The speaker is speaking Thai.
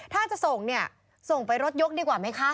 ถ้าจะส่งเนี่ยส่งไปรถยกดีกว่าไหมคะ